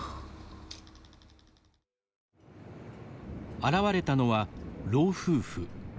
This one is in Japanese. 現れたのは、老夫婦。